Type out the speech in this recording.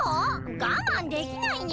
がまんできないにゃ？